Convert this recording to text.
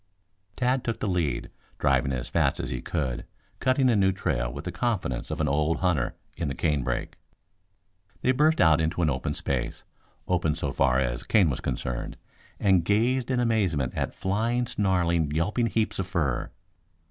Tad took the lead, driving as fast as he could, cutting a new trail with the confidence of an old hunter in the canebrake. They burst out into an open space, open so far as cane was concerned, and gazed in amazement at flying, snarling, yelping heaps of fur.